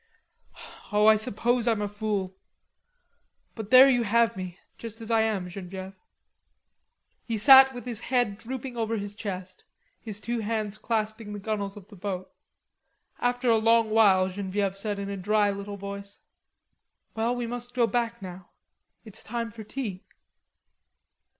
Oh, I suppose I'm a fool.... But there you have me, just as I am, Genevieve." He sat with his head drooping over his chest, his two hands clasping the gunwales of the boat. After a long while Genevieve said in a dry little voice: "Well, we must go back now; it's time for tea."